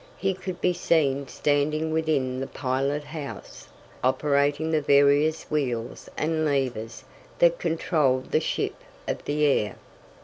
He could be seen standing within the pilot house, operating the various wheels and levers that controlled the ship of the air.